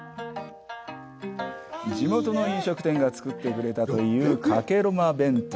地元の飲食店が作ってくれたという加計呂麻弁当。